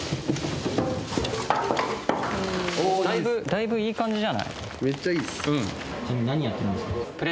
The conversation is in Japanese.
だいぶいい感じじゃない？